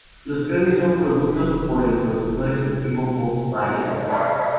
Los premios son producidos por el productor ejecutivo Bob Bain.